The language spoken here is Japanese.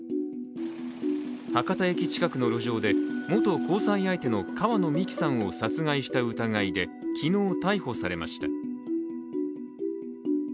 博多駅近くの路上で元交際相手の川野美樹さんを殺害した疑いで昨日、逮捕されました。